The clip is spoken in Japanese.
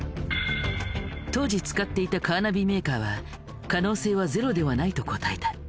当時使っていたカーナビメーカーは可能性はゼロではないと答えた。